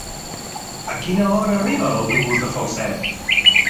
A quina hora arriba l'autobús de Falset?